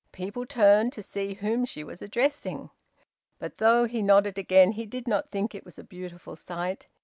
People turned to see whom she was addressing. But though he nodded again he did not think it was a beautiful sight.